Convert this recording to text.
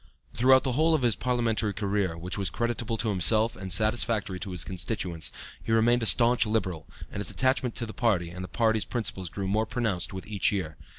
Throughout the whole of his parliamentary career, which was creditable to himself and satisfactory to his constituents, he remained a staunch Liberal, and his attachment to the party and the party's principles grew more pronounced with each year.